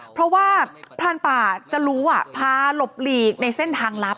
เพราะว่าพรานป่าจะรู้พาหลบหลีกในเส้นทางลับ